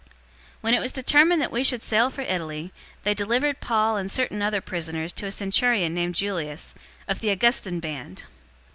027:001 When it was determined that we should sail for Italy, they delivered Paul and certain other prisoners to a centurion named Julius, of the Augustan band.